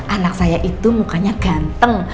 anak saya itu mukanya ganteng